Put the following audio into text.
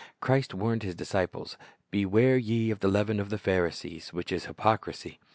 Christ warned His disciples, "Beware ye of the leaven of the Pharisees, which is hypocrisy."